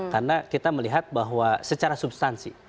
karena kita melihat bahwa secara substansi